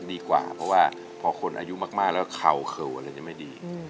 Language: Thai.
ดีกว่าเพราะว่าพอคนอายุมากแล้วเข่าอะไรจะไม่ดี